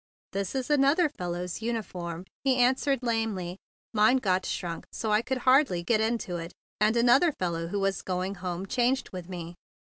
"This is another fellow's uniform," he answered lamely. "Mine got shrunk so I could hardly get into it, and an¬ other fellow who was going home changed with me."